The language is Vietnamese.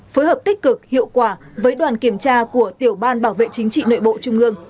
phối hợp tích cực hiệu quả với đoàn kiểm tra của tiểu ban bảo vệ chính trị nội bộ trung ương